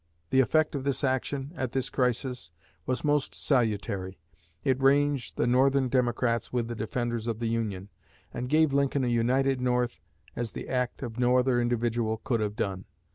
The effect of this action, at this crisis, was most salutary; it ranged the Northern Democrats with the defenders of the Union, and gave Lincoln a united North as the act of no other individual could have done.